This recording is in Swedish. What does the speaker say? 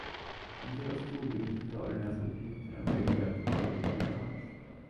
En del av skolbibliotekariernas uppgifter är möjliga att hantera på distans.